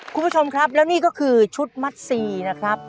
คุณผู้ชมครับแล้วนี่ก็คือชุดมัดซีนะครับ